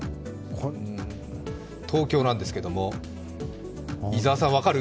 東京なんですけど、伊沢さん、分かる？